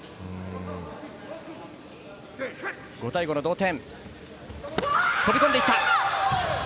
５対５同点、飛び込んでいった。